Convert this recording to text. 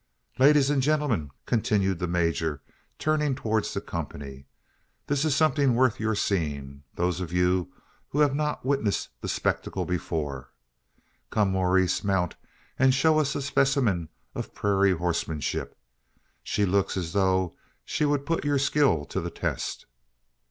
"Ladies and gentlemen!" continued the major, turning towards the company, "this is something worth your seeing those of you who have not witnessed the spectacle before. Come, Maurice; mount, and show us a specimen of prairie horsemanship. She looks as though she would put your skill to the test."